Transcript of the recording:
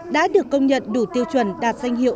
đã được công nhận đủ tiêu chuẩn đạt danh hiệu